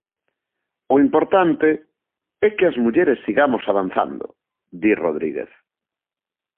O importante "é que as mulleres sigamos avanzando", di Rodríguez.